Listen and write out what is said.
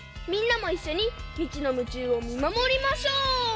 みんなもいっしょにミチの夢中をみまもりましょう。